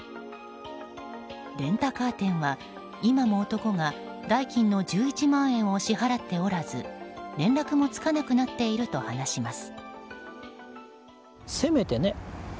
レンタカー店は今も男が代金の１１万円を支払っておらず連絡もつかなくなっていると話します。